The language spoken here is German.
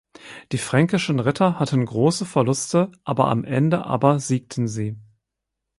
Die fränkischen Ritter hatten große Verluste aber am Ende aber siegten sie.